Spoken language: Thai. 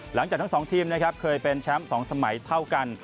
หลังจากทั้ง๒ทีมเคยเป็นแชมป์๒สมัยเท่ากัน